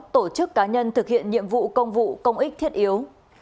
tổ chức cá nhân thực hiện nhiệm vụ công vụ công ích thiết yếu